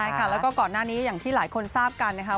ใช่ค่ะแล้วก็ก่อนหน้านี้อย่างที่หลายคนทราบกันนะคะ